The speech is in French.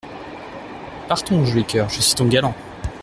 Partons, joli coeur, je suis ton galant.